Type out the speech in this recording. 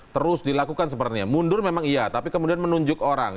terus dilakukan sepertinya mundur memang iya tapi kemudian menunjuk orang